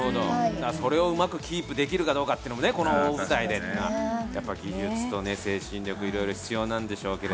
それをうまくキープできるかというのが技術と精神力いろいろ必要なんでしょうけど。